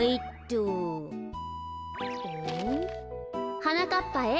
「はなかっぱへ。